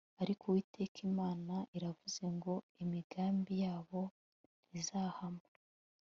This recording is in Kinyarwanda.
ariko uwiteka imana iravuze ngo imigambi yabo ntizahama